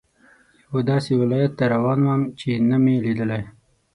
یوه داسې ولایت ته روان وم چې نه مې لیدلی.